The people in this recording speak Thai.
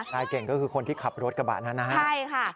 นายเก่งก็คือคนที่ขับรถกระบะนั้นนะฮะใช่ค่ะ